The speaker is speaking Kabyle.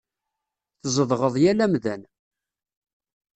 Tzedɣeḍ yal amdan.